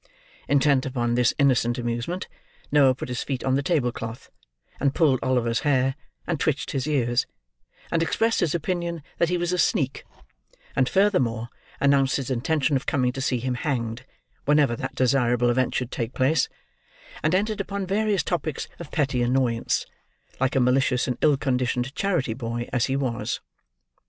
Intent upon this innocent amusement, Noah put his feet on the table cloth; and pulled Oliver's hair; and twitched his ears; and expressed his opinion that he was a "sneak"; and furthermore announced his intention of coming to see him hanged, whenever that desirable event should take place; and entered upon various topics of petty annoyance, like a malicious and ill conditioned charity boy as he was.